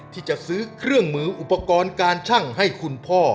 ที่จะซื้อเครื่องมืออุปกรณ์การชั่งให้คุณพ่อ